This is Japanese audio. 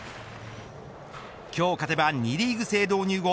今日勝てば２リーグ制導入後